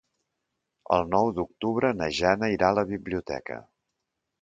El nou d'octubre na Jana irà a la biblioteca.